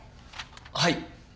はい。